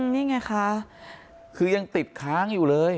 นี่ไงคะคือยังติดค้างอยู่เลย